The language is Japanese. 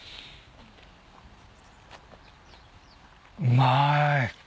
うまい。